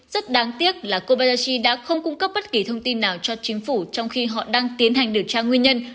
rất đáng tiếc là kobayashi đã không cung cấp bất kỳ thông tin nào cho chính phủ trong khi họ đang tiến hành điều tra nguyên nhân